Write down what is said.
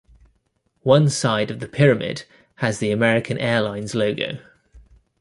One side of the pyramid has the American Airlines logo.